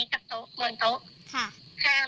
แต่เราก็ไม่ได้คิดถึงตรงนั้นอยู่แล้วตื่นเต้นไปหมดแล้วตอนนั้น